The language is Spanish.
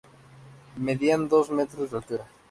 Medían dos metros de altura.